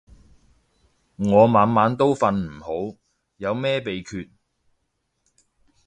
我晚晚都瞓唔好，有咩秘訣